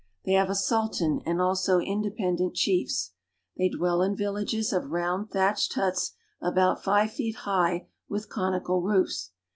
They haVe a sultan and also independent chiefs. They dwell in villages of round, thatched huts about five feet high with conical roofs.